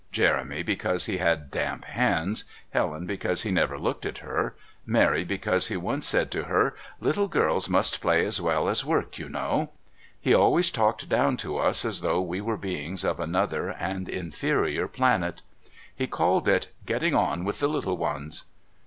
Jeremy because he had damp hands, Helen because he never looked at her, Mary because he once said to her, "Little girls must play as well as work, you know." He always talked down to us as though we were beings of another and inferior planet. He called it, "Getting on with the little ones."